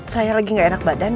saya lagi gak enak badan